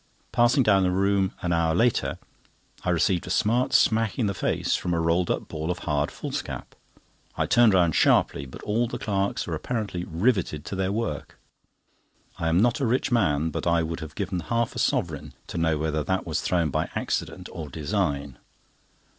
Passing down the room an hour later. I received a smart smack in the face from a rolled up ball of hard foolscap. I turned round sharply, but all the clerks were apparently riveted to their work. I am not a rich man, but I would give half a sovereign to know whether that was thrown by accident or design.